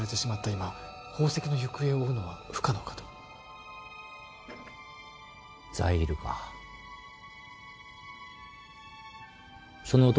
今宝石の行方を追うのは不可能かとザイールかその男